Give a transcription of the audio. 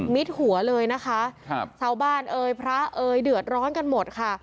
หัวเลยนะคะครับชาวบ้านเอ่ยพระเอ๋ยเดือดร้อนกันหมดค่ะ